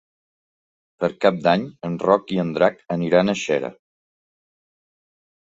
Per Cap d'Any en Roc i en Drac aniran a Xera.